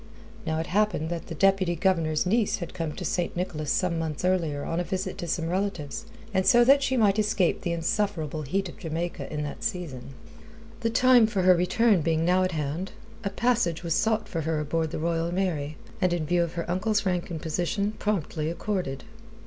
Now it happened that the Deputy Governor's niece had come to St. Nicholas some months earlier on a visit to some relatives, and so that she might escape the insufferable heat of Jamaica in that season. The time for her return being now at hand, a passage was sought for her aboard the Royal Mary, and in view of her uncle's rank and position promptly accorded.